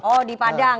oh di padang